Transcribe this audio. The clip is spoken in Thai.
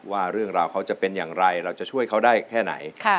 ว่าเรื่องราวเขาจะเป็นอย่างไรเราจะช่วยเขาได้แค่ไหน